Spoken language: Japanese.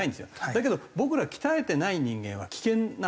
だけど僕ら鍛えてない人間は危険なんですよ。